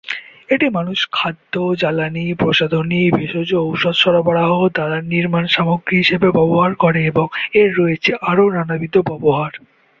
এটি মানুষ খাদ্য, জ্বালানী, প্রসাধনী, ভেষজ ঔষধ সরবরাহ, দালান নির্মান সামগ্রী হিসেবে ব্যবহার করে এবং এর রয়েছে আরও নানাবিধ ব্যবহার।